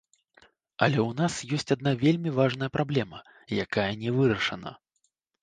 Але ў нас ёсць адна вельмі важная праблема, якая не вырашана.